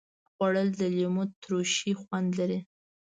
خوړل د لیمو ترشي خوند لري